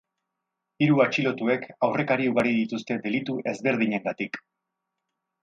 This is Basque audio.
Hiru atxilotuek aurrekari ugari dituzte delitu ezberdinengatik.